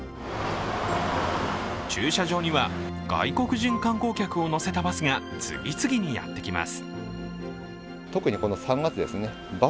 駐車場には外国人観光客を乗せたバスが次々にやってきます。